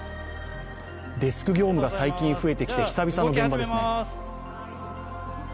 デスク業務が最近増えてきて久々の現場です。